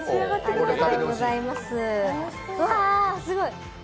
うわ、すごい。